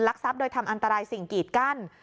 ทรัพย์โดยทำอันตรายสิ่งกีดกั้น